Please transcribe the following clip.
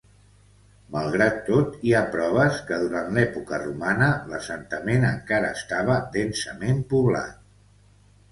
Malgrat tot, hi ha proves que, durant l'època romana, l'assentament encara estava densament poblat.